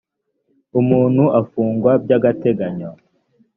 umuntu afungwa by’ agateganyo